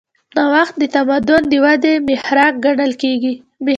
نوښت د تمدن د ودې محرک ګڼل کېږي.